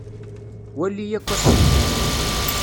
Wali akk asmel.